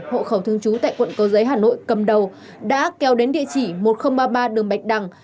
hộ khẩu thương chú tại quận cầu giấy hà nội cầm đầu đã kéo đến địa chỉ một nghìn ba mươi ba đường bạch đằng